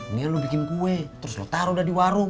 ini lu bikin kue terus lu taro dari warung